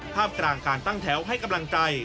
กลางการตั้งแถวให้กำลังใจ